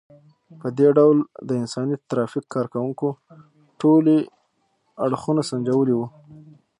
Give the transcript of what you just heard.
په دې ډول د انساني ترافیک کار کوونکو ټولي اړخونه سنجولي وو.